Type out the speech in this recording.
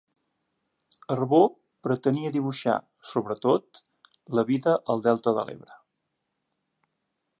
Arbó pretenia dibuixar, sobretot, la vida al Delta de l'Ebre.